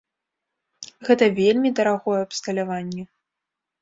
Гэта вельмі дарагое абсталяванне.